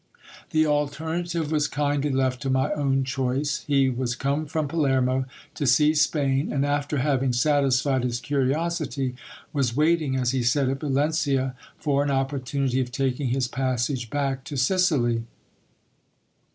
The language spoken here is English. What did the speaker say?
The alternative was kindly left to my own choice. He was I come from Palermo to see Spain, and, after having satisfied his curiosity, was waiting, as he said, at Valencia for an opportunity of taking his passage back to Sicily.